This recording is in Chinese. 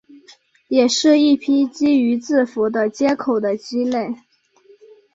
也是一批基于字符的接口的基类。